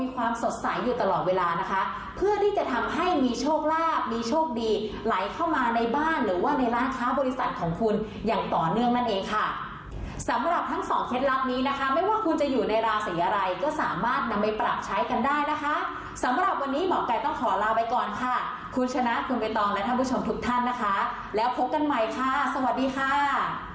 ของคุณอย่างต่อเนื่องนั่นเองค่ะสำหรับทั้ง๒เคล็ดลับนี้นะคะไม่ว่าคุณจะอยู่ในราศีอะไรก็สามารถนำไปปรับใช้กันได้นะคะสำหรับวันนี้หมอกัยต้องขอลาไปก่อนค่ะคุณชนะคุณเรตองและท่านผู้ชมทุกท่านนะคะแล้วพบกันใหม่ค่ะสวัสดีค่ะ